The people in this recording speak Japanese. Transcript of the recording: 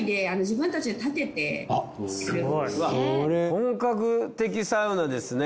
本格的サウナですね。